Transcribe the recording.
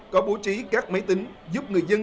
có bố trí các máy tính giúp người dân